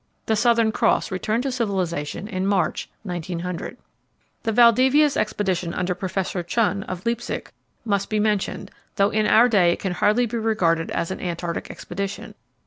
The Southern Cross returned to civilization in March, 1900. The Valdivia's expedition, under Professor Chun, of Leipzig, must be mentioned, though in our day it can hardly be regarded as an Antarctic expedition.